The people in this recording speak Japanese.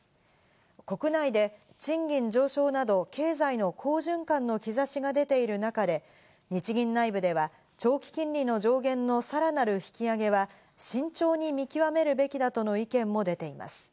国内で賃金上昇など経済の好循環の兆しが出ている中で日銀内部では長期金利の上限のさらなる引き上げは慎重に見極めるべきだとの意見も出ています。